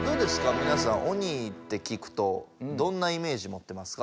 みなさん鬼って聞くとどんなイメージもってますか？